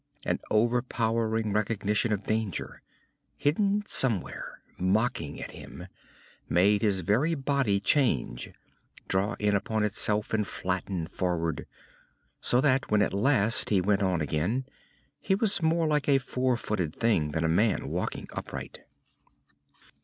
An overpowering recognition of danger, hidden somewhere, mocking at him, made his very body change, draw in upon itself and flatten forward, so that when at last he went on again he was more like a four footed thing than a man walking upright.